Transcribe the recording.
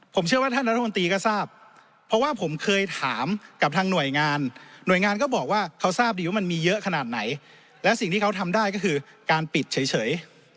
ผมเชื่อว่าท่านรัฐมนตรีก็ทราบเพราะว่าผมเคยถามกับทางหน่วยงานหน่วยงานก็บอกว่าเขาทราบดีว่ามันมีเยอะขนาดไหนและสิ่งที่เขาทำได้ก็คือการปิดเฉย